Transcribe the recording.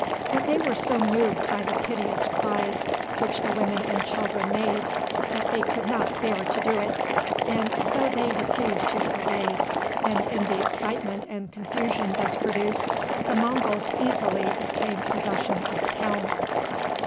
But they were so moved by the piteous cries which the women and children made that they could not bear to do it, and so they refused to obey, and in the excitement and confusion thus produced the Monguls easily obtained possession of the town.